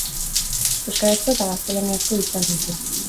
Euskarazko eta gaztelaniazko hitzak ditu.